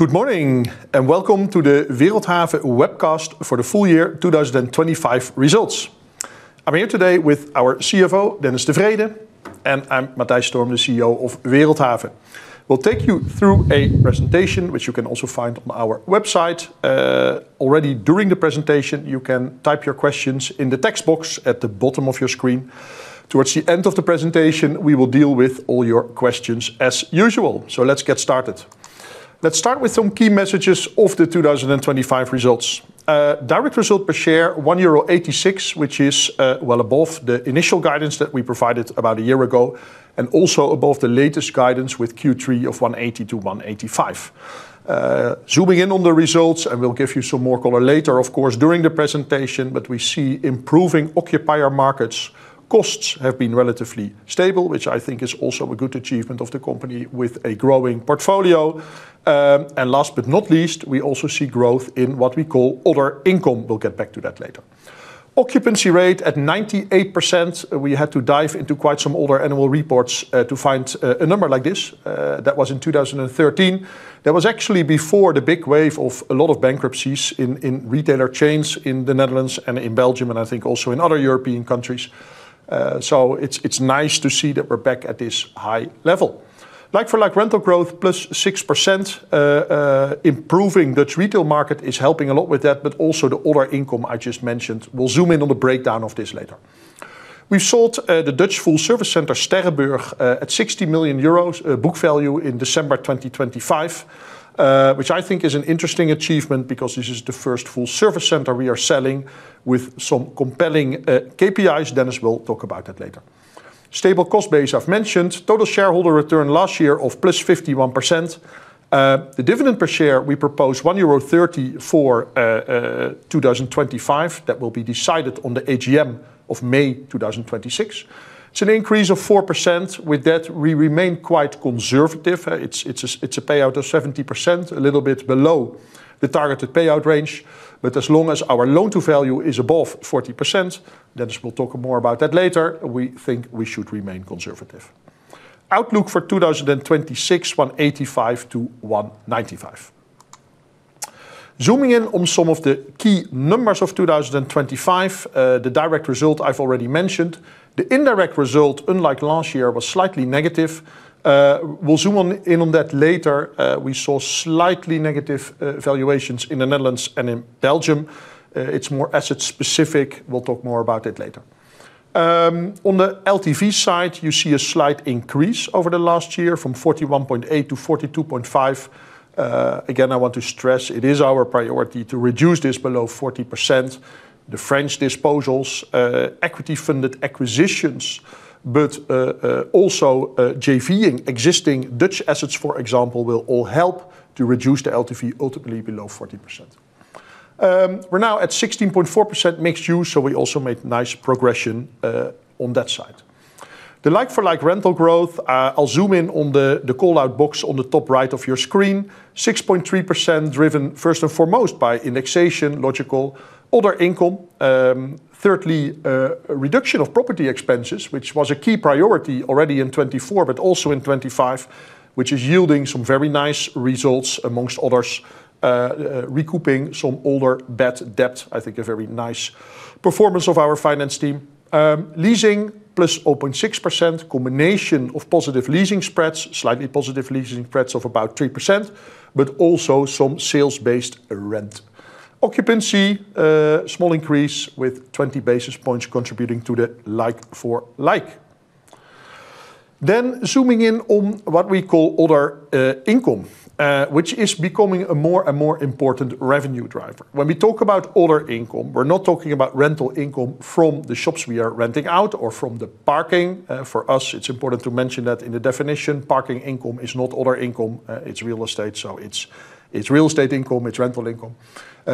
Good morning, and welcome to the Wereldhave webcast for the full year 2025 results. I'm here today with our CFO, Dennis de Vreede, and I'm Matthijs Storm, the CEO of Wereldhave. We'll take you through a presentation, which you can also find on our website. Already during the presentation, you can type your questions in the text box at the bottom of your screen. Towards the end of the presentation, we will deal with all your questions as usual. So let's get started. Let's start with some key messages of the 2025 results. Direct result per share, 1.86 euro, which is, well above the initial guidance that we provided about a year ago, and also above the latest guidance with Q3 of 1.80-1.85. Zooming in on the results, and we'll give you some more color later, of course, during the presentation, but we see improving occupier markets. Costs have been relatively stable, which I think is also a good achievement of the company with a growing portfolio. And last but not least, we also see growth in what we call other income. We'll get back to that later. Occupancy rate at 98%, we had to dive into quite some older annual reports to find a number like this. That was in 2013. That was actually before the big wave of a lot of bankruptcies in retailer chains in the Netherlands and in Belgium, and I think also in other European countries. So it's nice to see that we're back at this high level. Like-for-like rental growth, +6%. Improving Dutch retail market is helping a lot with that, but also the other income I just mentioned. We'll zoom in on the breakdown of this later. We sold the Dutch full-service center, Sterrenburg, at 60 million euros book value in December 2025, which I think is an interesting achievement because this is the first full-service center we are selling with some compelling KPIs. Dennis will talk about that later. Stable cost base, I've mentioned. Total shareholder return last year of +51%. The dividend per share, we propose 1.30 euro for 2025. That will be decided on the AGM of May 2026. It's an increase of 4%. With that, we remain quite conservative. It's a payout of 70%, a little bit below the targeted payout range, but as long as our loan-to-value is above 40%, Dennis will talk more about that later. We think we should remain conservative. Outlook for 2026, 185 million-195 million. Zooming in on some of the key numbers of 2025, the Direct Result I've already mentioned. The Indirect Result, unlike last year, was slightly negative. We'll zoom in on that later. We saw slightly negative valuations in the Netherlands and in Belgium. It's more asset-specific. We'll talk more about it later. On the LTV side, you see a slight increase over the last year from 41.8-42.5. Again, I want to stress, it is our priority to reduce this below 40%. The French disposals, equity-funded acquisitions, but, JV and existing Dutch assets, for example, will all help to reduce the LTV ultimately below 40%. We're now at 16.4% mixed use, so we also made nice progression, on that side. The like-for-like rental growth, I'll zoom in on the call-out box on the top right of your screen. 6.3%, driven first and foremost by indexation, logical, other income, thirdly, a reduction of property expenses, which was a key priority already in 2024, but also in 2025, which is yielding some very nice results, amongst others, recouping some older bad debt. I think a very nice performance of our finance team. Leasing, plus open 6%, combination of positive leasing spreads, slightly positive leasing spreads of about 3%, but also some sales-based rent. Occupancy, small increase with 20 basis points contributing to the like for like. Then zooming in on what we call other income, which is becoming a more and more important revenue driver. When we talk about other income, we're not talking about rental income from the shops we are renting out or from the parking. For us, it's important to mention that in the definition, parking income is not other income, it's real estate, so it's real estate income, it's rental income.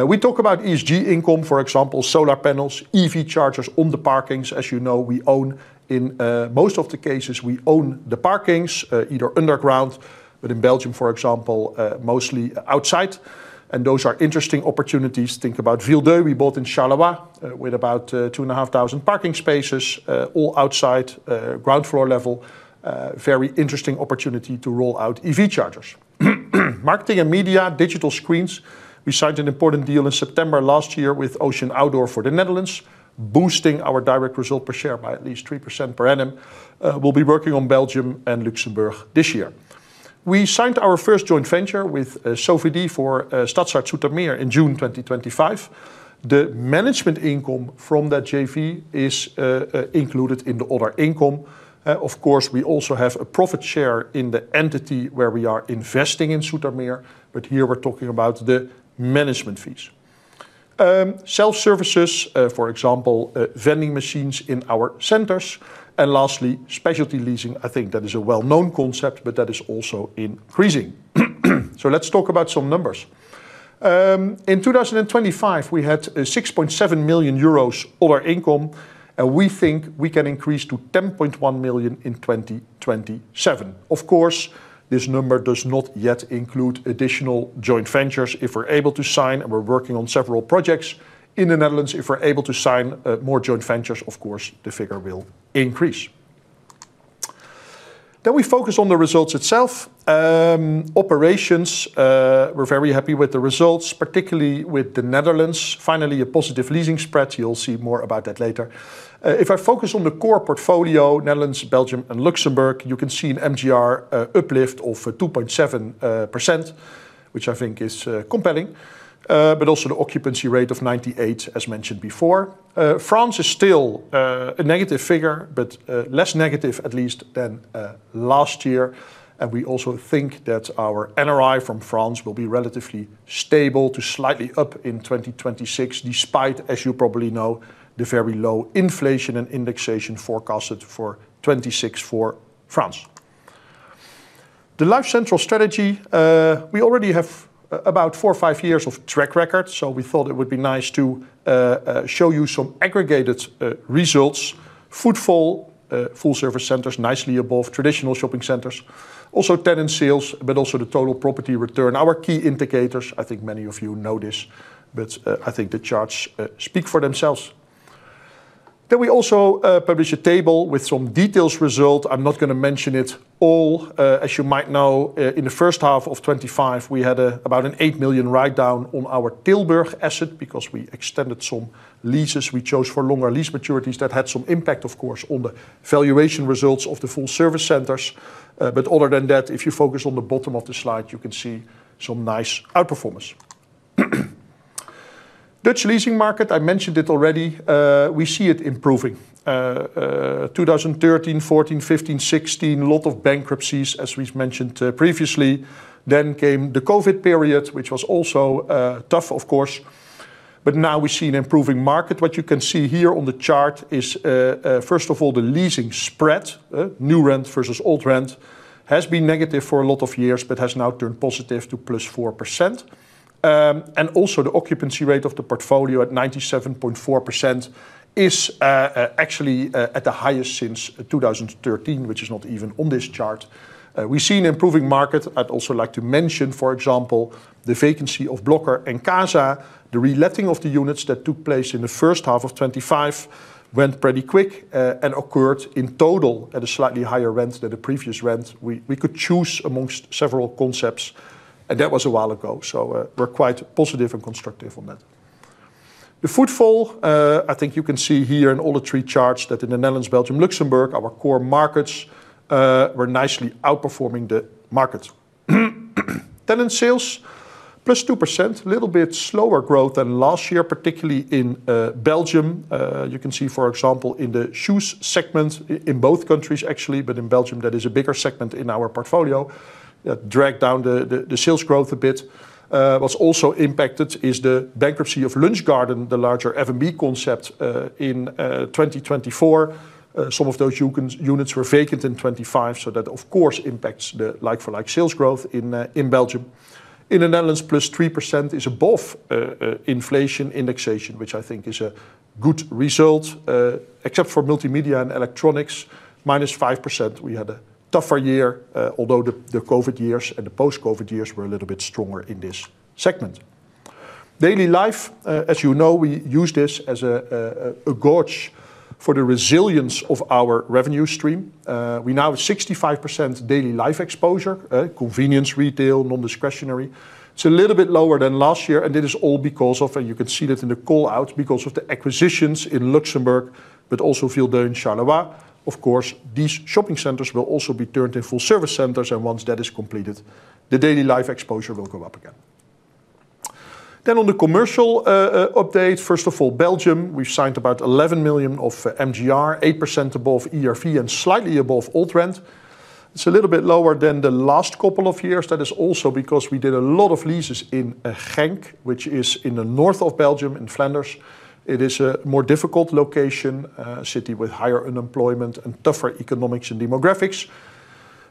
We talk about ESG income, for example, solar panels, EV chargers on the parkings. As you know, we own. In most of the cases, we own the parkings, either underground, but in Belgium, for example, mostly outside, and those are interesting opportunities. Think about Ville 2 we bought in Charleroi, with about 2,500 parking spaces, all outside, ground floor level. Very interesting opportunity to roll out EV chargers. Marketing and media, digital screens. We signed an important deal in September last year with Ocean Outdoor for the Netherlands, boosting our direct result per share by at least 3% per annum. We'll be working on Belgium and Luxembourg this year. We signed our first joint venture with Sofidy for Stadshart Zoetermeer in June 2025. The management income from that JV is included in the other income. Of course, we also have a profit share in the entity where we are investing in Zoetermeer, but here we're talking about the management fees. Self services, for example, vending machines in our centers, and lastly, specialty leasing. I think that is a well-known concept, but that is also increasing. So let's talk about some numbers. In 2025, we had a 6.7 million euros other income, and we think we can increase to 10.1 million in 2027. Of course, this number does not yet include additional joint ventures. If we're able to sign, and we're working on several projects in the Netherlands, if we're able to sign, more joint ventures, of course, the figure will increase. Then we focus on the results itself. Operations, we're very happy with the results, particularly with the Netherlands. Finally, a positive leasing spread. You'll see more about that later. If I focus on the core portfolio, Netherlands, Belgium, and Luxembourg, you can see an MGR uplift of 2.7%, which I think is compelling, but also the occupancy rate of 98%, as mentioned before. France is still a negative figure, but less negative, at least, than last year. We also think that our NRI from France will be relatively stable to slightly up in 2026, despite, as you probably know, the very low inflation and indexation forecasted for 2026 for France. The LifeCentral strategy, we already have about four or five years of track record, so we thought it would be nice to show you some aggregated results. Footfall, Full Service Centers, nicely above traditional shopping centers. Also, tenant sales, but also the total property return. Our key indicators, I think many of you know this, but, I think the charts speak for themselves. Then we also publish a table with some detailed results. I'm not gonna mention it all. As you might know, in the first half of 2025, we had about an 8 million write-down on our Tilburg asset because we extended some leases. We chose for longer lease maturities that had some impact, of course, on the valuation results of the Full Service Centers. But other than that, if you focus on the bottom of the slide, you can see some nice outperformance. Dutch leasing market, I mentioned it already, 2013, 2014, 2015, 2016, a lot of bankruptcies, as we've mentioned, previously. Then came the COVID period, which was also tough, of course, but now we see an improving market. What you can see here on the chart is first of all, the leasing spread, new rent versus old rent, has been negative for a lot of years, but has now turned positive to +4%. And also, the occupancy rate of the portfolio at 97.4% is actually at the highest since 2013, which is not even on this chart. We've seen improving market. I'd also like to mention, for example, the vacancy of Blokker and CASA. The reletting of the units that took place in the first half of 2025 went pretty quick, and occurred in total at a slightly higher rent than the previous rent. We could choose amongst several concepts, and that was a while ago, so we're quite positive and constructive on that. The footfall, I think you can see here in all the three charts that in the Netherlands, Belgium, Luxembourg, our core markets, were nicely outperforming the markets. Tenant sales, +2%. A little bit slower growth than last year, particularly in Belgium. You can see, for example, in the shoes segment, in both countries, actually, but in Belgium, that is a bigger segment in our portfolio, dragged down the sales growth a bit. What's also impacted is the bankruptcy of Lunch Garden, the larger F&B concept, in 2024. Some of those units were vacant in 2025, so that, of course, impacts the like-for-like sales growth in Belgium. In the Netherlands, +3% is above inflation indexation, which I think is a good result, except for multimedia and electronics, -5%. We had a tougher year, although the COVID years and the post-COVID years were a little bit stronger in this segment. Daily life, as you know, we use this as a gauge for the resilience of our revenue stream. We now have 65% daily life exposure, convenience, retail, non-discretionary. It's a little bit lower than last year, and it is all because of... And you can see that in the call-outs, because of the acquisitions in Luxembourg, but also Ville 2 Charleroi. Of course, these shopping centers will also be turned in Full Service Centers, and once that is completed, the daily life exposure will go up again. On the commercial update, first of all, Belgium, we've signed about 11 million of MGR, 8% above ERV and slightly above ERV trend. It's a little bit lower than the last couple of years. That is also because we did a lot of leases in Genk, which is in the north of Belgium, in Flanders. It is a more difficult location, city with higher unemployment and tougher economics and demographics.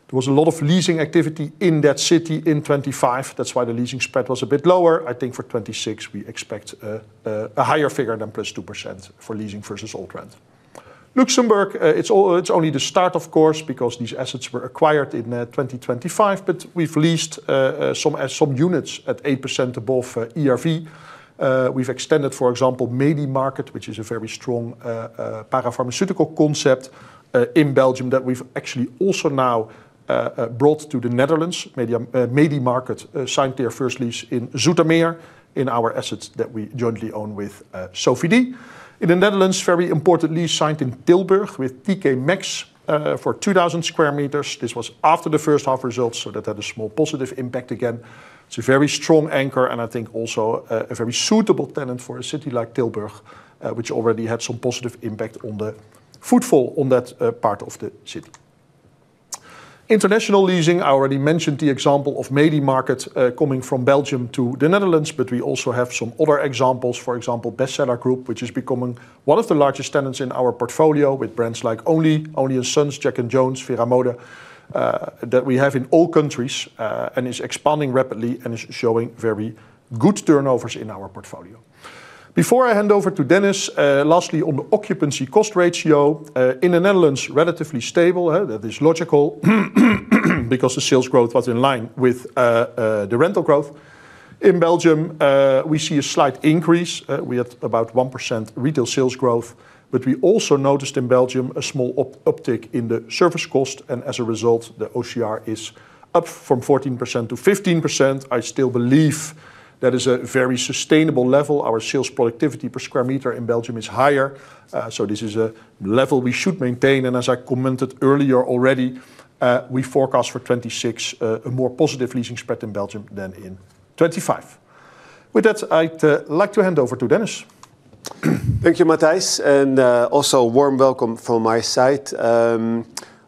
There was a lot of leasing activity in that city in 2025. That's why the leasing spread was a bit lower. I think for 2026, we expect a higher figure than +2% for leasing versus ERV trend. Luxembourg, it's only the start, of course, because these assets were acquired in 2025, but we've leased some units at 8% above ERV. We've extended, for example, Medi-Market, which is a very strong parapharmaceutical concept in Belgium, that we've actually also now brought to the Netherlands. Medi-Market signed their first lease in Zoetermeer in our assets that we jointly own with Sofidy. In the Netherlands, very importantly, signed in Tilburg with TK Maxx for 2,000 sq m. This was after the first half results, so that had a small positive impact again. It's a very strong anchor, and I think also a very suitable tenant for a city like Tilburg, which already had some positive impact on the footfall on that part of the city. International leasing, I already mentioned the example of Medi-Market coming from Belgium to the Netherlands, but we also have some other examples. For example, Bestseller Group, which is becoming one of the largest tenants in our portfolio with brands like Only, Only & Sons, Jack & Jones, Vero Moda, that we have in all countries, and is expanding rapidly and is showing very good turnovers in our portfolio. Before I hand over to Dennis, lastly, on the occupancy cost ratio in the Netherlands, relatively stable, that is logical, because the sales growth was in line with the rental growth. In Belgium, we see a slight increase. We had about 1% retail sales growth, but we also noticed in Belgium a small uptick in the service cost, and as a result, the OCR is up from 14%-15%. I still believe that is a very sustainable level. Our sales productivity per square meter in Belgium is higher, so this is a level we should maintain, and as I commented earlier already, we forecast for 2026 a more positive leasing spread in Belgium than in 2025. With that, I'd like to hand over to Dennis. Thank you, Matthijs, and also a warm welcome from my side.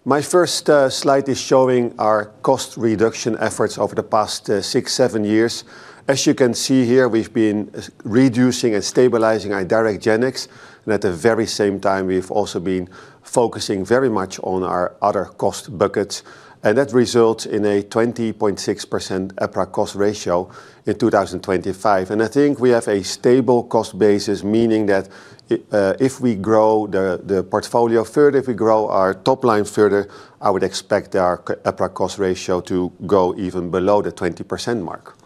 My first slide is showing our cost reduction efforts over the past six, seven years. As you can see here, we've been reducing and stabilizing our direct G&A, and at the very same time, we've also been focusing very much on our other cost buckets, and that results in a 20.6% EPRA Cost Ratio in 2025. I think we have a stable cost basis, meaning that if we grow the portfolio further, if we grow our top line further, I would expect our EPRA Cost Ratio to go even below the 20% mark.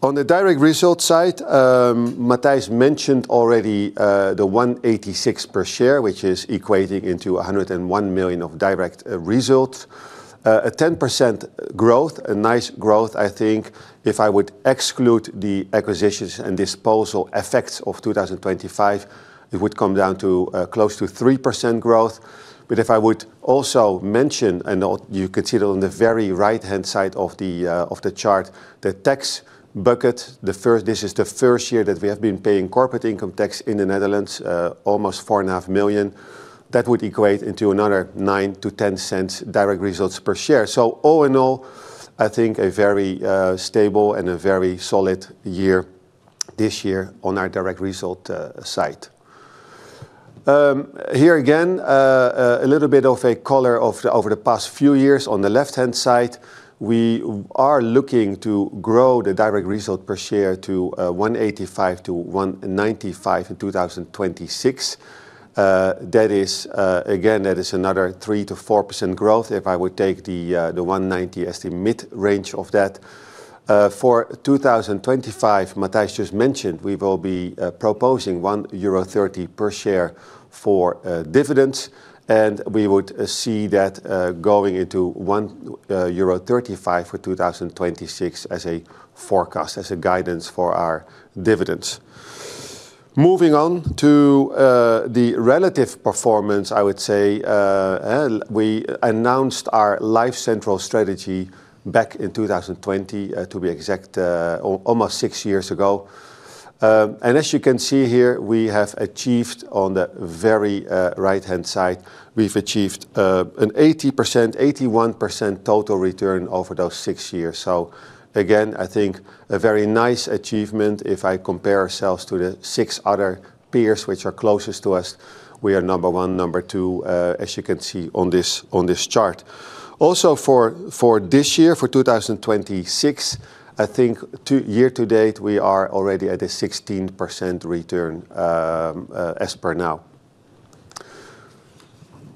On the direct result side, Matthijs mentioned already the 1.86 per share, which is equating into 101 million of direct result. A 10% growth, a nice growth, I think. If I would exclude the acquisitions and disposal effects of 2025, it would come down to close to 3% growth. But if I would also mention, you can see it on the very right-hand side of the, of the chart, the tax bucket, this is the first year that we have been paying corporate income tax in the Netherlands, almost 4.5 million. That would equate into another 0.09-0.10 direct result per share. So all in all, I think a very stable and a very solid year this year on our direct result side. Here again, a little bit of color over the past few years. On the left-hand side, we are looking to grow the direct result per share to 185 million-195 million in 2026. That is, again, that is another 3%-4% growth if I would take the 190 as the mid-range of that. For 2025, Matthijs just mentioned, we will be proposing 1.30 euro per share for dividends, and we would see that going into 1.35 euro for 2026 as a forecast, as a guidance for our dividends. Moving on to the relative performance, I would say, well, we announced our LifeCentral strategy back in 2020, to be exact, almost six years ago. And as you can see here, we have achieved on the very, right-hand side, we've achieved, an 80%, 81% total return over those six years. So again, I think a very nice achievement. If I compare ourselves to the six other peers which are closest to us, we are number one, number two, as you can see on this, on this chart. Also, for this year, for 2026, I think to year-to-date, we are already at a 16% return, as per now.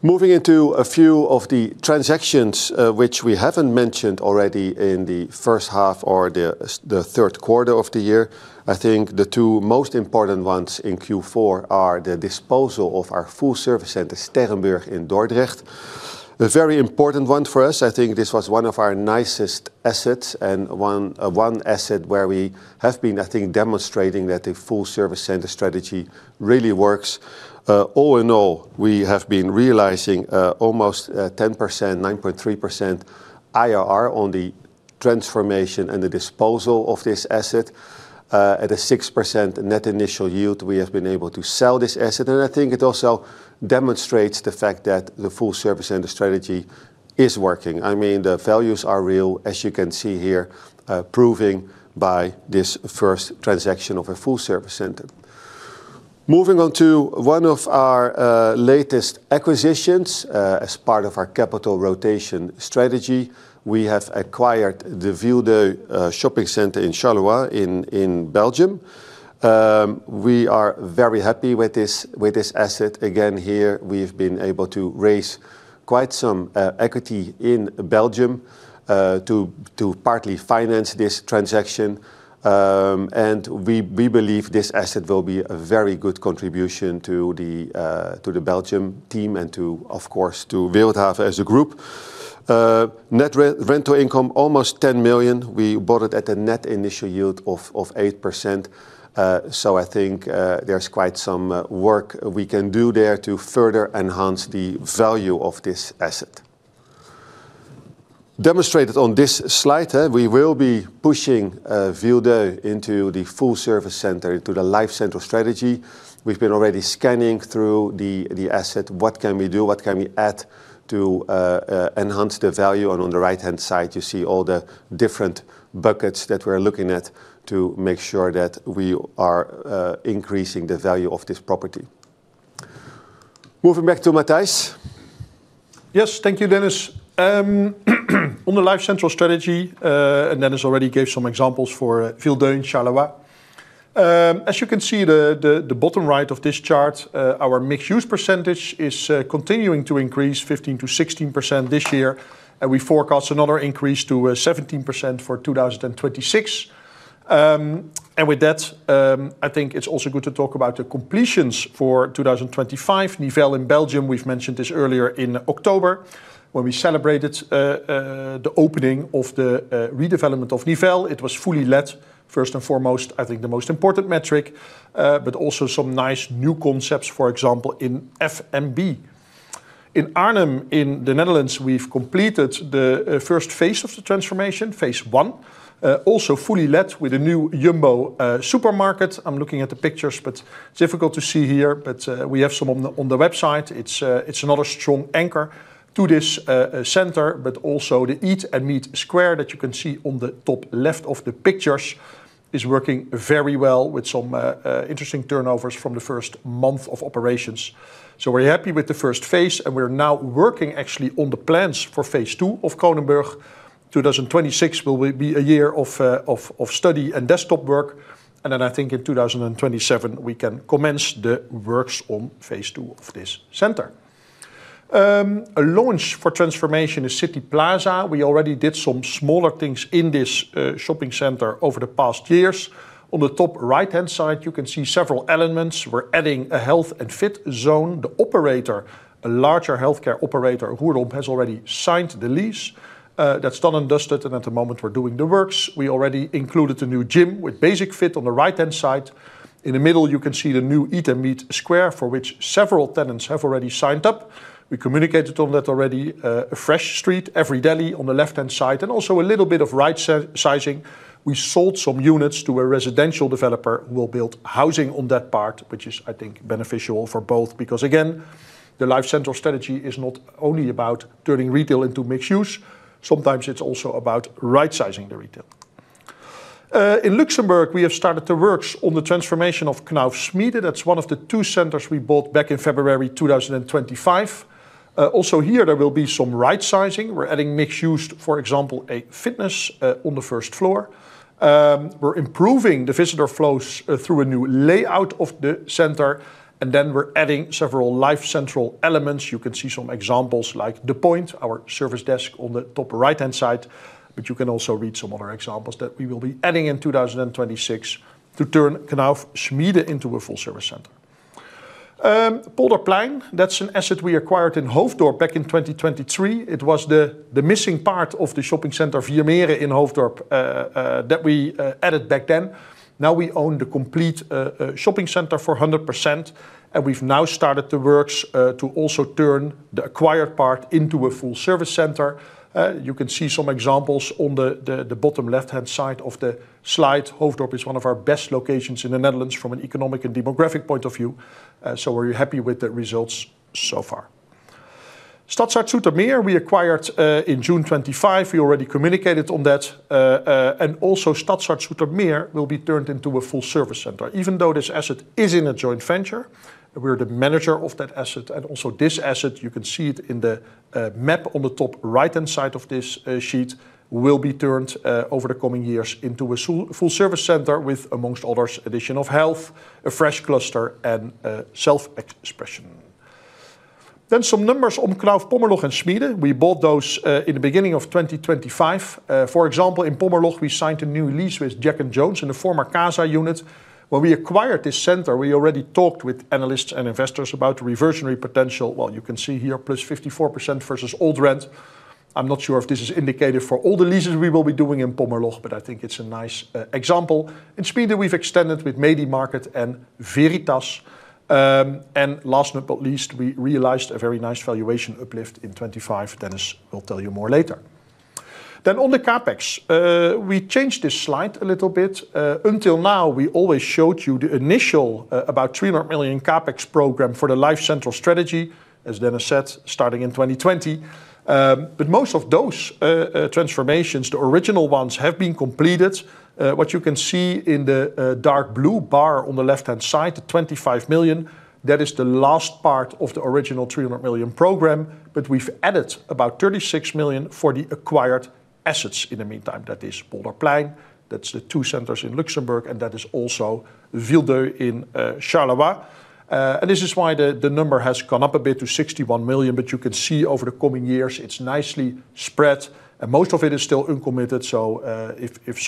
Moving into a few of the transactions, which we haven't mentioned already in the first half or the third quarter of the year, I think the two most important ones in Q4 are the disposal of our Full Service Center, Sterrenburg in Dordrecht. A very important one for us. I think this was one of our nicest assets, and one, one asset where we have been, I think, demonstrating that a full-service center strategy really works. All in all, we have been realizing, almost, 10%, 9.3% IRR on the transformation and the disposal of this asset. At a 6% net initial yield, we have been able to sell this asset, and I think it also demonstrates the fact that the full-service center strategy is working. I mean, the values are real, as you can see here, proving by this first transaction of a full-service center. Moving on to one of our, latest acquisitions. As part of our capital rotation strategy, we have acquired the Ville 2, shopping center in Charleroi in, in Belgium. We are very happy with this, with this asset. Again, here, we've been able to raise quite some equity in Belgium to partly finance this transaction. And we believe this asset will be a very good contribution to the Belgium team and to, of course, to Wereldhave as a group. Net rental income, almost 10 million. We bought it at a net initial yield of 8%. So I think there's quite some work we can do there to further enhance the value of this asset. Demonstrated on this slide, we will be pushing Ville 2 into the full-service center, into the LifeCentral strategy. We've been already scanning through the asset. What can we do? What can we add to enhance the value? On the right-hand side, you see all the different buckets that we're looking at to make sure that we are increasing the value of this property. Moving back to Matthijs. Yes, thank you, Dennis. On the LifeCentral strategy, and Dennis already gave some examples for Ville 2 in Charleroi. As you can see, the bottom right of this chart, our mixed-use percentage is continuing to increase 15%-16% this year, and we forecast another increase to 17% for 2026. And with that, I think it's also good to talk about the completions for 2025. Nivelles in Belgium, we've mentioned this earlier in October, when we celebrated the opening of the redevelopment of Nivelles. It was fully let, first and foremost, I think the most important metric, but also some nice new concepts, for example, in FMB. In Arnhem, in the Netherlands, we've completed the first phase of the transformation, phase one, also fully let with a new Jumbo supermarket. I'm looking at the pictures, but it's difficult to see here, but we have some on the website. It's another strong anchor to this center, but also the Eat&Meet square that you can see on the top left of the pictures is working very well with some interesting turnovers from the first month of operations. So we're happy with the first phase, and we're now working actually on the plans for phase two of Kronenburg. 2026 will be a year of study and desktop work, and then I think in 2027, we can commence the works on phase two of this center. A launch for transformation is City Plaza. We already did some smaller things in this shopping center over the past years. On the top right-hand side, you can see several elements. We're adding a health and fit zone. The operator, a larger healthcare operator, Roerdomp, has already signed the lease. That's done and dusted, and at the moment we're doing the works. We already included a new gym with Basic-Fit on the right-hand side. In the middle, you can see the new Eat&Meet square, for which several tenants have already signed up. We communicated on that already, a fresh street, Every.Deli on the left-hand side, and also a little bit of right-sizing. We sold some units to a residential developer, who will build housing on that part, which is, I think, beneficial for both. Because, again, the LifeCentral strategy is not only about turning retail into mixed use, sometimes it's also about right-sizing the retail. In Luxembourg, we have started the works on the transformation of Knauf Schmiede. That's one of the two centers we bought back in February 2025. Also here, there will be some right-sizing. We're adding mixed use, for example, a fitness on the first floor. We're improving the visitor flows through a new layout of the center, and then we're adding several LifeCentral elements. You can see some examples like The Point, our service desk on the top right-hand side, but you can also read some other examples that we will be adding in 2026 to turn Knauf Schmiede into a full service center. Polderplein, that's an asset we acquired in Hoofddorp back in 2023. It was the missing part of the shopping center, Vier Meren in Hoofddorp, that we added back then. Now, we own the complete shopping center for 100%, and we've now started the works to also turn the acquired part into a Full Service Center. You can see some examples on the bottom left-hand side of the slide. Hoofddorp is one of our best locations in the Netherlands from an economic and demographic point of view, so we're happy with the results so far. Stadshart Zoetermeer, we acquired in June 2025. We already communicated on that, and also Stadshart Zoetermeer will be turned into a Full Service Center. Even though this asset is in a joint venture, we're the manager of that asset and also this asset, you can see it in the map on the top right-hand side of this sheet, will be turned over the coming years into a full service center with, among others, addition of health, a fresh cluster, and self-expression. Then some numbers on Knauf Pommerloch and Schmiede. We bought those in the beginning of 2025. For example, in Pommerloch, we signed a new lease with Jack & Jones and a former CASA unit. When we acquired this center, we already talked with analysts and investors about the reversionary potential. Well, you can see here, +54% versus old rent. I'm not sure if this is indicative for all the leases we will be doing in Pommerloch, but I think it's a nice example. In Schmiede, we've extended with Medi-Market and Veritas. And last but not least, we realized a very nice valuation uplift in 2025. Dennis will tell you more later. Then on the CapEx, we changed this slide a little bit. Until now, we always showed you the initial about 300 million CapEx program for the LifeCentral strategy, as Dennis said, starting in 2020. But most of those transformations, the original ones, have been completed. What you can see in the dark blue bar on the left-hand side, the 25 million, that is the last part of the original 300 million program. But we've added about 36 million for the acquired assets in the meantime. That is Polderplein, that's the two centers in Luxembourg, and that is also Ville 2 in Charleroi. And this is why the number has gone up a bit to 61 million, but you can see over the coming years, it's nicely spread, and most of it is still uncommitted. So, if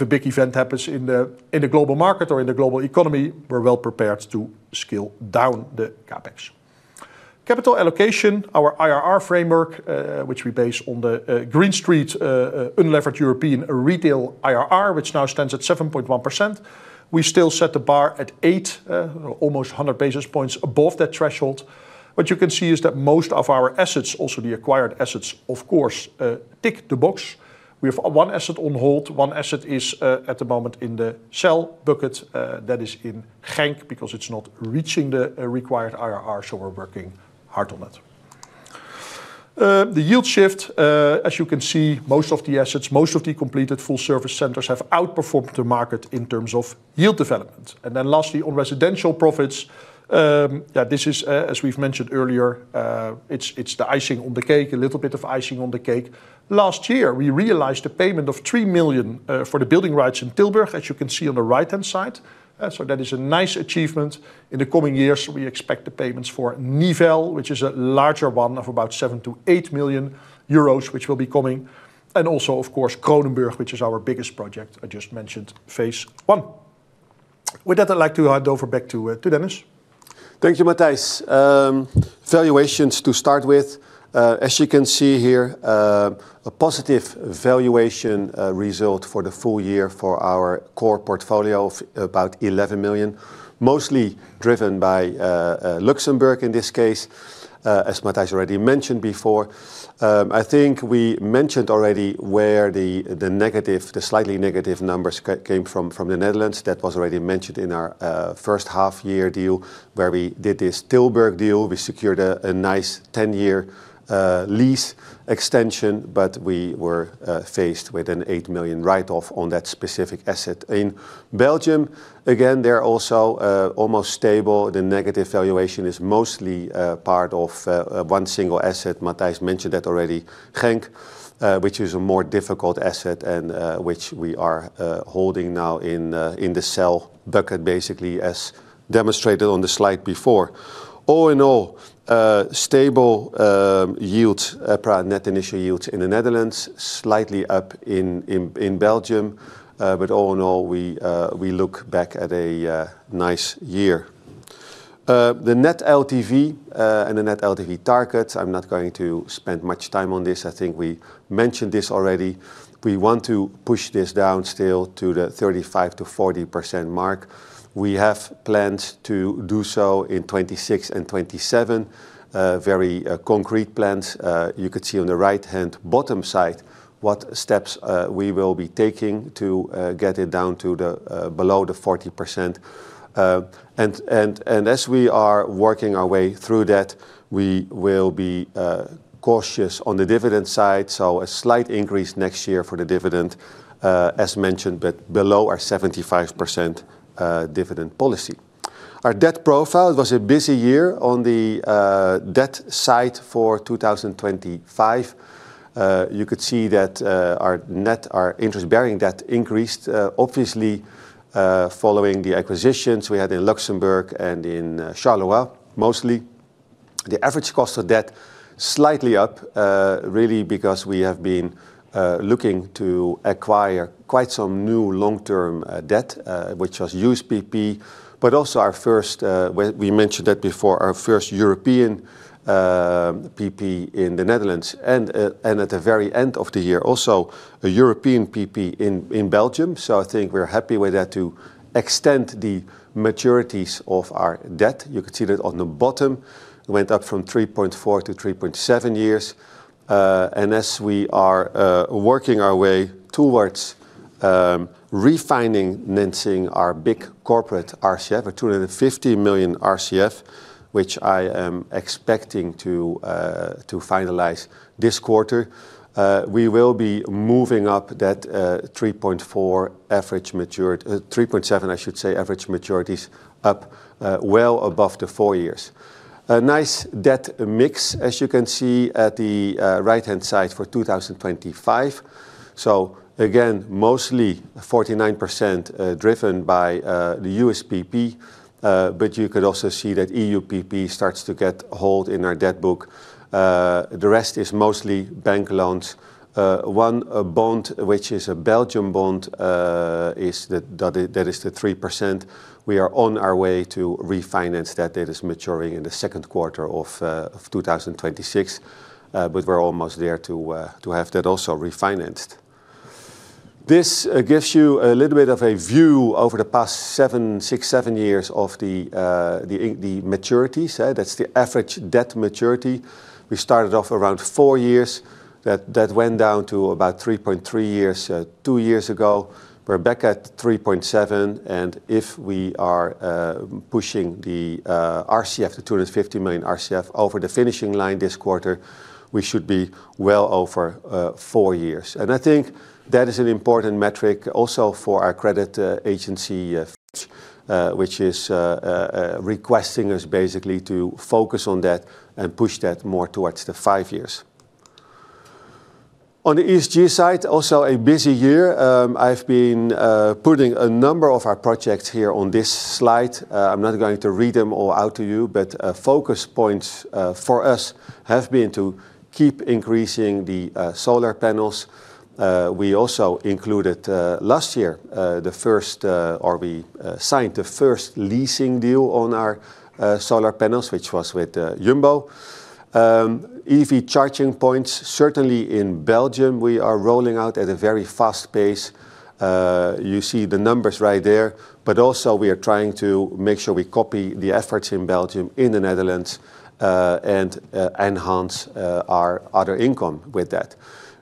a big event happens in the global market or in the global economy, we're well prepared to scale down the CapEx. Capital allocation, our IRR framework, which we base on the Green Street unlevered European retail IRR, which now stands at 7.1%. We still set the bar at eight, almost 100 basis points above that threshold. What you can see is that most of our assets, also the acquired assets, of course, tick the box. We have one asset on hold. One asset is, at the moment, in the sell bucket, that is in Genk, because it's not reaching the required IRR, so we're working hard on that. The yield shift, as you can see, most of the assets, most of the completed full-service centers have outperformed the market in terms of yield development. And then lastly, on residential profits, yeah, this is, as we've mentioned earlier, it's the icing on the cake, a little bit of icing on the cake. Last year, we realized a payment of 3 million for the building rights in Tilburg, as you can see on the right-hand side. So that is a nice achievement. In the coming years, we expect the payments for Nivelles, which is a larger one, of about 7 million-8 million euros, which will be coming, and also, of course, Kronenburg, which is our biggest project. I just mentioned phase one. With that, I'd like to hand over back to, to Dennis. Thank you, Matthijs. Valuations to start with, as you can see here, a positive valuation result for the full year for our core portfolio of about 11 million, mostly driven by Luxembourg, in this case, as Matthijs already mentioned before. I think we mentioned already where the slightly negative numbers came from, from the Netherlands. That was already mentioned in our first half-year deal, where we did this Tilburg deal. We secured a nice 10-year lease extension, but we were faced with an 8 million write-off on that specific asset. In Belgium, again, they're also almost stable. The negative valuation is mostly part of one single asset. Matthijs mentioned that already. Genk, which is a more difficult asset, and which we are holding now in the sell bucket, basically, as demonstrated on the slide before. All in all, stable yield, prior net initial yields in the Netherlands, slightly up in Belgium. But all in all, we look back at a nice year. The net LTV and the net LTV targets, I'm not going to spend much time on this. I think we mentioned this already. We want to push this down still to the 35%-40% mark. We have plans to do so in 2026 and 2027. Very concrete plans. You could see on the right-hand bottom side what steps we will be taking to get it down to the... below the 40%. And as we are working our way through that, we will be cautious on the dividend side, so a slight increase next year for the dividend, as mentioned, but below our 75% dividend policy. Our debt profile, it was a busy year on the debt side for 2025. You could see that, our net, our interest-bearing debt increased, obviously, following the acquisitions we had in Luxembourg and in Charleroi, mostly. The average cost of debt slightly up, really because we have been looking to acquire quite some new long-term debt, which was USPP, but also our first, we mentioned that before, our first European PP in the Netherlands, and at the very end of the year, also a European PP in Belgium. So I think we're happy with that, to extend the maturities of our debt. You could see that on the bottom, went up from 3.4 to 3.7 years. As we are working our way towards refinancing our big corporate RCF, our 250 million RCF, which I am expecting to finalize this quarter, we will be moving up that 3.4 average maturity—3.7, I should say, average maturities up, well above four years. A nice debt mix, as you can see at the right-hand side for 2025. So again, mostly 49%, driven by the USPP, but you could also see that EUPP starts to get hold in our debt book. The rest is mostly bank loans. One bond, which is a Belgian bond, is the... that is, that is the 3%. We are on our way to refinance that. That is maturing in the second quarter of 2026, but we're almost there to have that also refinanced. This gives you a little bit of a view over the past seven... six, seven years of the, the in- the maturities, that's the average debt maturity. We started off around four years. That, that went down to about 3.3 years, two years ago. We're back at 3.7, and if we are pushing the RCF, the 250 million RCF, over the finishing line this quarter, we should be well over four years. I think that is an important metric also for our credit agency requesting us basically to focus on that and push that more towards the five years. On the ESG side, also a busy year. I've been putting a number of our projects here on this slide. I'm not going to read them all out to you, but focus points for us have been to keep increasing the solar panels. We also included last year the first or we signed the first leasing deal on our solar panels, which was with Jumbo. EV charging points, certainly in Belgium, we are rolling out at a very fast pace. You see the numbers right there, but also we are trying to make sure we copy the efforts in Belgium, in the Netherlands, and enhance our other income with that.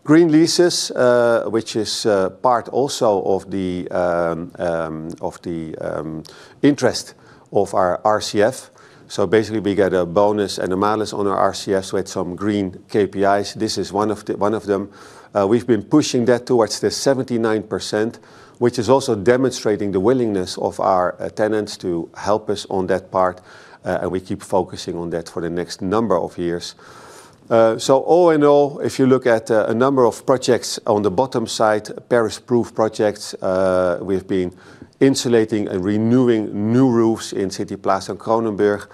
Green leases, which is part also of the interest of our RCF. So basically, we get a bonus and a malus on our RCF, so we had some green KPIs. This is one of them. We've been pushing that towards the 79%, which is also demonstrating the willingness of our tenants to help us on that part, and we keep focusing on that for the next number of years. So all in all, if you look at a number of projects on the bottom side, Paris Proof projects, we've been insulating and renewing new roofs in City Plaza and Kronenburg,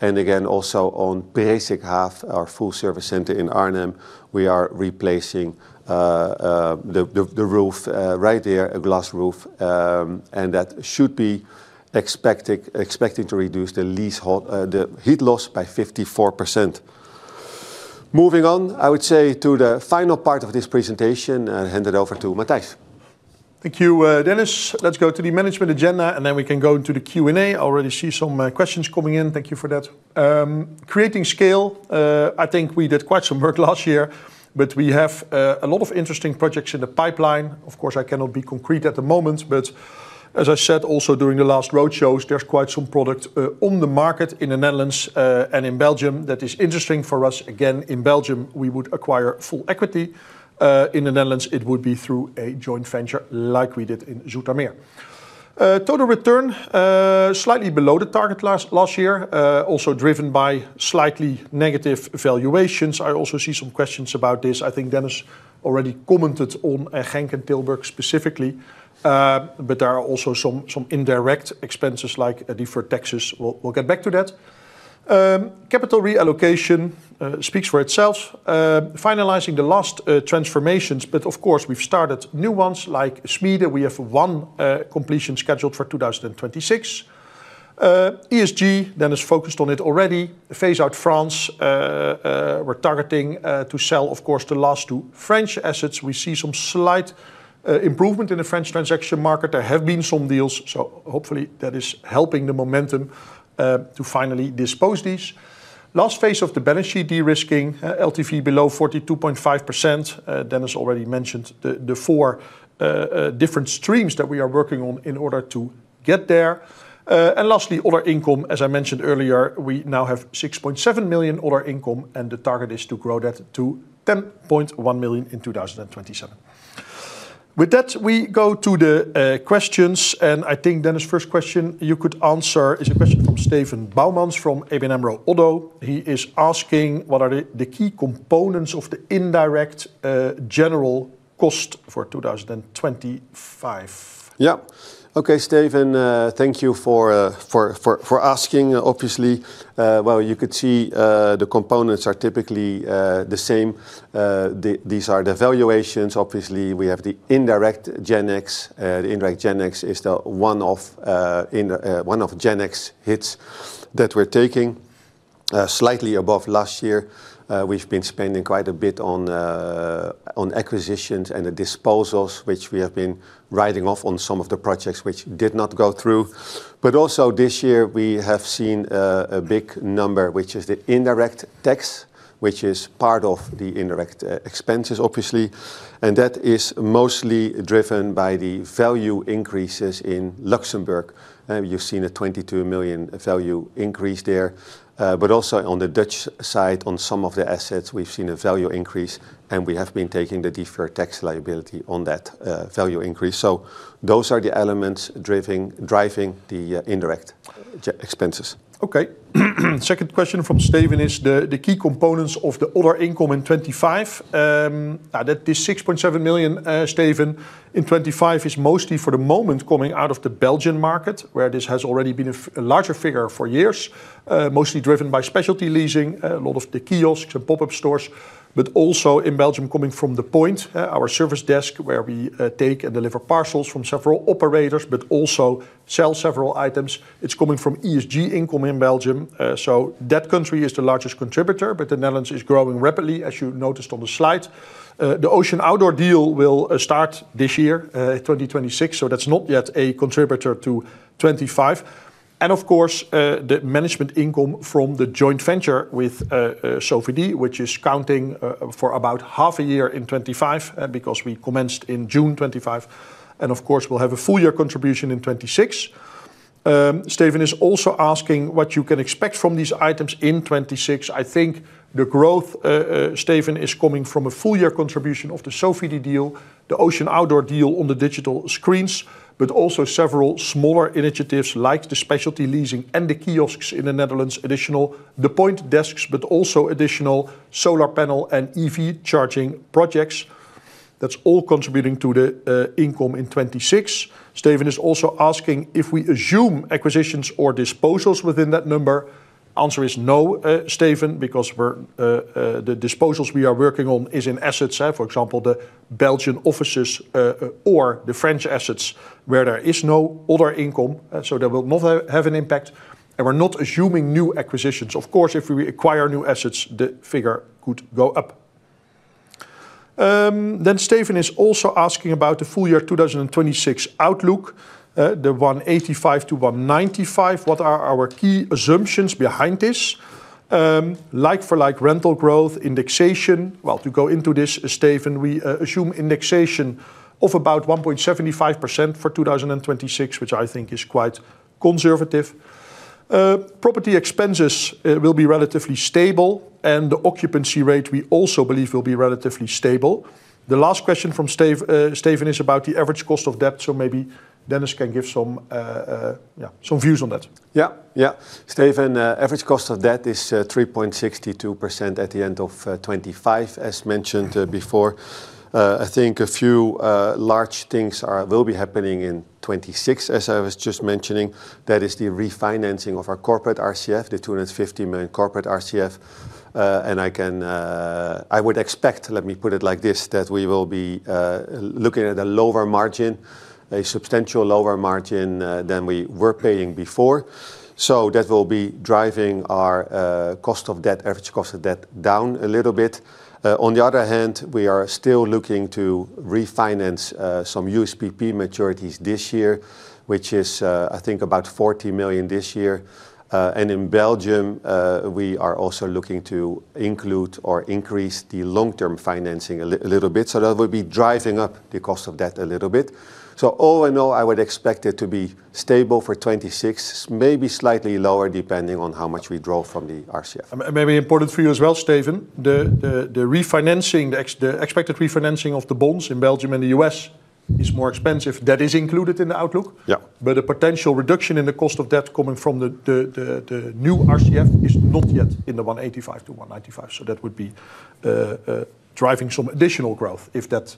and again, also on Presikhaaf, our full service center in Arnhem, we are replacing the roof right there, a glass roof. And that should be expecting to reduce the heat loss by 54%. Moving on, I would say to the final part of this presentation, hand it over to Matthijs. Thank you, Dennis. Let's go to the management agenda, and then we can go into the Q&A. I already see some questions coming in. Thank you for that. Creating scale, I think we did quite some work last year, but we have a lot of interesting projects in the pipeline. Of course, I cannot be concrete at the moment, but as I said, also during the last roadshows, there's quite some product on the market in the Netherlands and in Belgium, that is interesting for us. Again, in Belgium, we would acquire full equity. In the Netherlands, it would be through a joint venture, like we did in Zoetermeer. Total return, slightly below the target last year, also driven by slightly negative valuations. I also see some questions about this. I think Dennis already commented on Genk and Tilburg specifically, but there are also some indirect expenses, like deferred taxes. We'll get back to that. Capital reallocation speaks for itself. Finalizing the last transformations, but of course, we've started new ones like Schmiede. We have one completion scheduled for 2026. ESG, Dennis focused on it already. Phase out France, we're targeting to sell, of course, the last two French assets. We see some slight improvement in the French transaction market. There have been some deals, so hopefully that is helping the momentum to finally dispose these. Last phase of the balance sheet de-risking, LTV below 42.5%. Dennis already mentioned the four different streams that we are working on in order to get there. And lastly, other income, as I mentioned earlier, we now have EUR 6.7 million other income, and the target is to grow that to 10.1 million in 2027. With that, we go to the questions, and I think, Dennis, first question you could answer is a question from Steven Boumans from ABN AMRO - ODDO. He is asking: What are the key components of the indirect general cost for 2025? Yeah. Okay, Steven, thank you for asking, obviously. Well, you could see the components are typically the same. These are the valuations. Obviously, we have the indirect Gen X. The indirect Gen X is the one-off Gen X hits that we're taking slightly above last year. We've been spending quite a bit on acquisitions and the disposals, which we have been writing off on some of the projects which did not go through. But also this year, we have seen a big number, which is the indirect tax, which is part of the indirect expenses, obviously, and that is mostly driven by the value increases in Luxembourg. You've seen a 22 million value increase there, but also on the Dutch side, on some of the assets, we've seen a value increase, and we have been taking the deferred tax liability on that value increase. So those are the elements driving the indirect expenses. Okay. Second question from Steven is the key components of the other income in 2025. This 6.7 million, Steven, in 2025 is mostly, for the moment, coming out of the Belgian market, where this has already been a larger figure for years, mostly driven by specialty leasing, a lot of the kiosks and pop-up stores, but also in Belgium, coming from the Point, our service desk, where we take and deliver parcels from several operators, but also sell several items. It's coming from ESG income in Belgium. So that country is the largest contributor, but the Netherlands is growing rapidly, as you noticed on the slide. The Ocean Outdoor deal will start this year, 2026, so that's not yet a contributor to 2025. And of course, the management income from the joint venture with Sofidy, which is counting for about half a year in 2025, because we commenced in June 2025, and of course, we'll have a full year contribution in 2026. Steven is also asking what you can expect from these items in 2026. I think the growth, Steven, is coming from a full year contribution of the Sofidy deal, the Ocean Outdoor deal on the digital screens, but also several smaller initiatives like the specialty leasing and the kiosks in the Netherlands, additional The Point desks, but also additional solar panel and EV charging projects. That's all contributing to the income in 2026. Steven is also asking if we assume acquisitions or disposals within that number. Answer is no, Steven, because we're the disposals we are working on is in assets. For example, the Belgian offices, or the French assets, where there is no other income, so they will not have an impact, and we're not assuming new acquisitions. Of course, if we acquire new assets, the figure could go up. Then Steven is also asking about the full year 2026 outlook, the 185 million-195 million. What are our key assumptions behind this? Like for like rental growth indexation. Well, to go into this, Steven, we assume indexation of about 1.75% for 2026, which I think is quite conservative. Property expenses will be relatively stable, and the occupancy rate, we also believe, will be relatively stable. The last question from Steve, Steven, is about the average cost of debt, so maybe Dennis can give some, yeah, some views on that. Yeah. Yeah. Steven, average cost of debt is 3.62% at the end of 2025, as mentioned before. I think a few large things will be happening in 2026, as I was just mentioning. That is the refinancing of our corporate RCF, the 250 million corporate RCF. And I can... I would expect, let me put it like this, that we will be looking at a lower margin, a substantial lower margin than we were paying before. So that will be driving our cost of debt, average cost of debt down a little bit. On the other hand, we are still looking to refinance some USPP maturities this year, which is I think about 40 million this year. And in Belgium, we are also looking to include or increase the long-term financing a little bit, so that would be driving up the cost of debt a little bit. So all in all, I would expect it to be stable for 2026, maybe slightly lower, depending on how much we draw from the RCF. Maybe important for you as well, Steven, the refinancing, the expected refinancing of the bonds in Belgium and the U.S. is more expensive. That is included in the outlook. Yeah. But a potential reduction in the cost of debt coming from the new RCF is not yet in the 185 million-195 million, so that would be driving some additional growth if that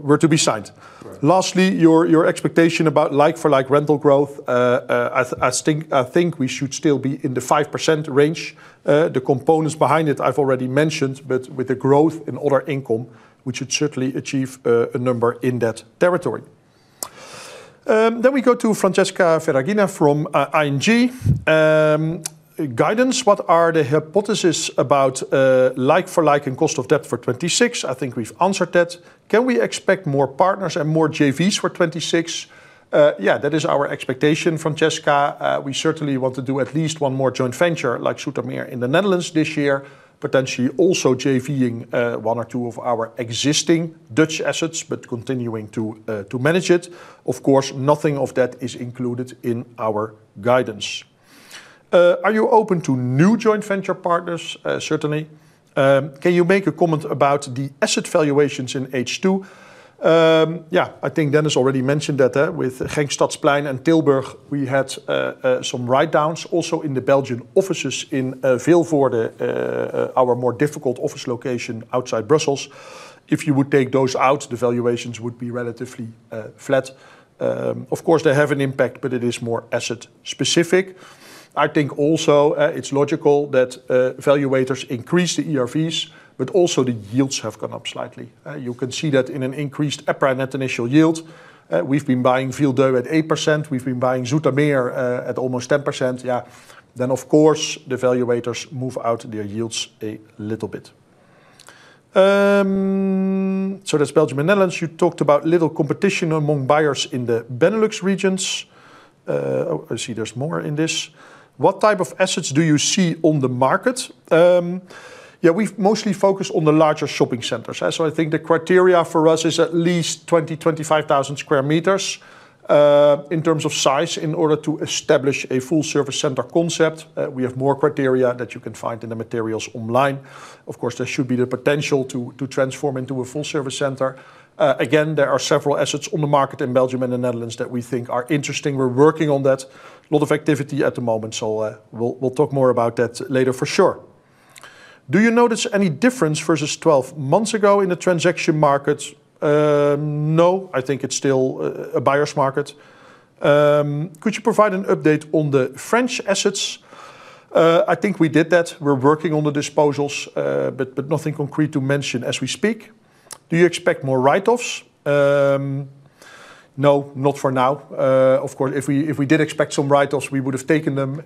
were to be signed. Right. Lastly, your expectation about like-for-like rental growth, I think we should still be in the 5% range. The components behind it, I've already mentioned, but with the growth in other income, we should certainly achieve a number in that territory. Then we go to Francesca Ferragina from ING. "Guidance, what are the hypothesis about like for like and cost of debt for 2026?" I think we've answered that. "Can we expect more partners and more JVs for 2026?" Yeah, that is our expectation, Francesca. We certainly want to do at least one more joint venture, like Zoetermeer in the Netherlands this year, potentially also JV-ing one or two of our existing Dutch assets, but continuing to manage it. Of course, nothing of that is included in our guidance. Are you open to new joint venture partners?" Certainly. "Can you make a comment about the asset valuations in H2?" Yeah, I think Dennis already mentioned that there with Genk, Stadsplein and Tilburg, we had some write-downs, also in the Belgian offices in Vilvoorde, our more difficult office location outside Brussels. If you would take those out, the valuations would be relatively flat. Of course, they have an impact, but it is more asset-specific. I think also, it's logical that valuators increase the ERVs, but also the yields have gone up slightly. You can see that in an increased EPRA net initial yield. We've been buying Vilvoorde at 8%. We've been buying Zoetermeer at almost 10%. Yeah. Then, of course, the valuators move out their yields a little bit. So that's Belgium and Netherlands. "You talked about little competition among buyers in the Benelux regions." Oh, I see there's more in this. "What type of assets do you see on the market?" Yeah, we've mostly focused on the larger shopping centers. So I think the criteria for us is at least 20,000-25,000 sq m in terms of size, in order to establish a Full Service Center concept. We have more criteria that you can find in the materials online. Of course, there should be the potential to, to transform into a Full Service Center. Again, there are several assets on the market in Belgium and the Netherlands that we think are interesting. We're working on that. A lot of activity at the moment, so we'll talk more about that later for sure. Do you notice any difference versus 12 months ago in the transaction market?" No, I think it's still a buyer's market. "Could you provide an update on the French assets?" I think we did that. We're working on the disposals, but nothing concrete to mention as we speak. "Do you expect more write-offs?" No, not for now. Of course, if we did expect some write-offs, we would have taken them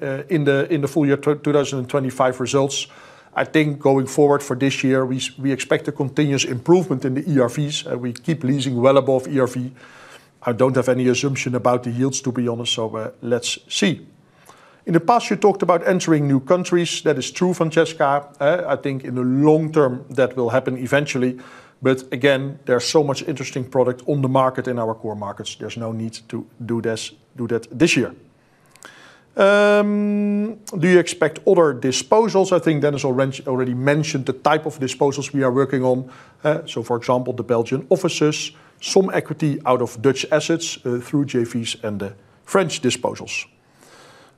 in the full year 2025 results. I think going forward for this year, we expect a continuous improvement in the ERVs, and we keep leasing well above ERV. I don't have any assumption about the yields, to be honest, so let's see. "In the past, you talked about entering new countries." That is true, Francesca. I think in the long term that will happen eventually, but again, there's so much interesting product on the market in our core markets. There's no need to do this, do that this year. "Do you expect other disposals?" I think Dennis already mentioned the type of disposals we are working on. So for example, the Belgian offices, some equity out of Dutch assets, through JVs and the French disposals.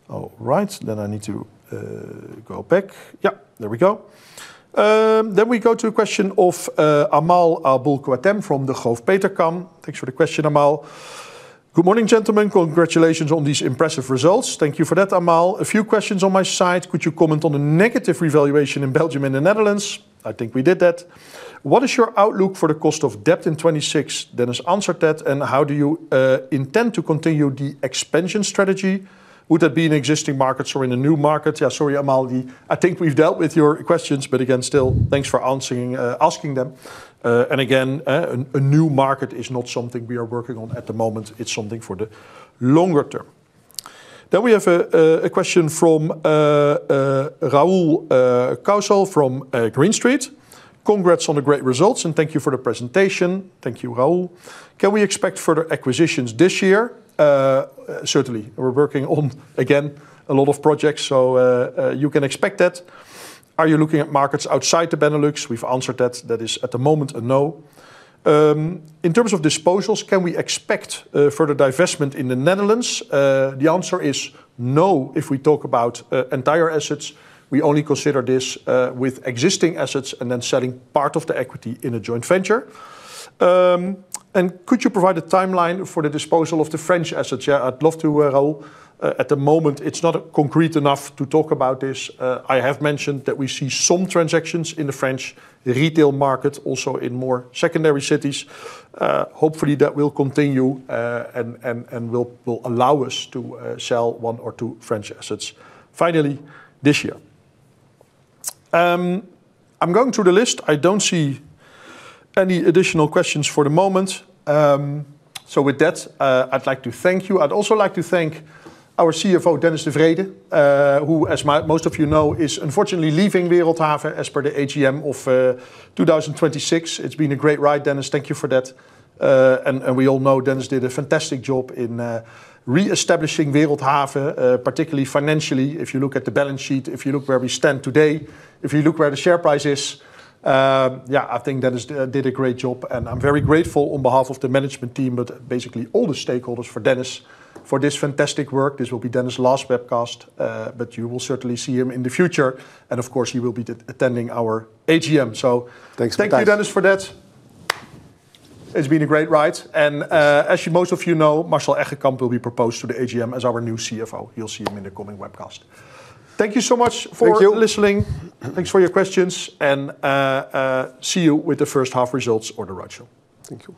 All right, then I need to go back. Yeah, there we go. Then we go to a question of Amal Aboulkhouatem from Degroof Petercam. Thanks for the question, Amal. "Good morning, gentlemen. Congratulations on these impressive results." Thank you for that, Amal. "A few questions on my side. Could you comment on the negative revaluation in Belgium and the Netherlands?" I think we did that. What is your outlook for the cost of debt in 2026?" Dennis answered that. "And how do you intend to continue the expansion strategy? Would that be in existing markets or in a new market?" Yeah, sorry, Amal. I think we've dealt with your questions, but again, still, thanks for asking them. And again, a new market is not something we are working on at the moment. It's something for the longer term. Then we have a question from Paul Walsh from Green Street. "Congrats on the great results, and thank you for the presentation." Thank you, Paul. "Can we expect further acquisitions this year?" Certainly. We're working on again a lot of projects, so you can expect that. Are you looking at markets outside the Benelux? We've answered that. That is, at the moment, a no. In terms of disposals, can we expect further divestment in the Netherlands? The answer is no if we talk about entire assets. We only consider this with existing assets and then selling part of the equity in a joint venture. Could you provide a timeline for the disposal of the French assets? Yeah, I'd love to, Paul. At the moment, it's not concrete enough to talk about this. I have mentioned that we see some transactions in the French retail market, also in more secondary cities. Hopefully, that will continue and will allow us to sell one or two French assets finally this year. I'm going through the list. I don't see any additional questions for the moment. So with that, I'd like to thank you. I'd also like to thank our CFO, Dennis de Vreede, who, as most of you know, is unfortunately leaving Wereldhave as per the AGM of 2026. It's been a great ride, Dennis. Thank you for that. And we all know Dennis did a fantastic job in reestablishing Wereldhave, particularly financially. If you look at the balance sheet, if you look where we stand today, if you look where the share price is, yeah, I think Dennis did a great job, and I'm very grateful on behalf of the management team, but basically all the stakeholders, for Dennis for this fantastic work. This will be Dennis's last webcast, but you will certainly see him in the future, and of course, he will be attending our AGM. Thanks a lot. Thank you, Dennis, for that. It's been a great ride, and as most of you know, Marcel Eggenkamp will be proposed to the AGM as our new CFO. You'll see him in the coming webcast. Thank you so much for listening. Thank you. Thanks for your questions, and see you with the first half results on the roadshow. Thank you.